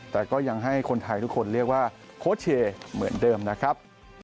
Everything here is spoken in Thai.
แต่ก็ยังให้คนไทยทุกคนเรียกว่าโค้ชเชเหมือนเดิมนะครับ